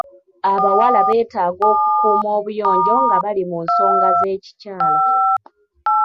Abawala beetaaga okukuuma obuyonjo nga bali mu nsonga z'ekikyala.